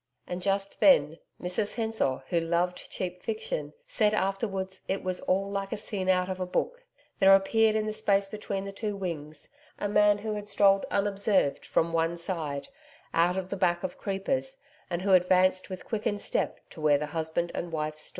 And just then Mrs Hensor, who loved cheap fiction, said afterwards it was all like a scene out of a book there appeared in the space between the two wings, a man who had strolled unobserved from one side, out of the background of creepers, and who advanced with quickened step to where the husband and wife stood.